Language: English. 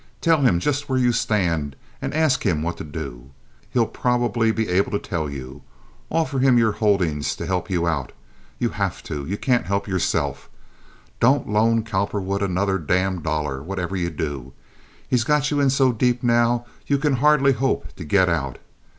Tell him just where you stand and ask him what to do. He'll probably be able to tell you. Offer him your holdings to help you out. You have to. You can't help yourself. Don't loan Cowperwood another damned dollar, whatever you do. He's got you in so deep now you can hardly hope to get out.